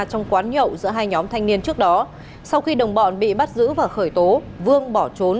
trong quán nhậu giữa hai nhóm thanh niên trước đó sau khi đồng bọn bị bắt giữ và khởi tố vương bỏ trốn